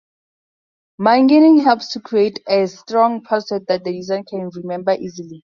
Mungeing helps to create a strong password that the user can remember easily.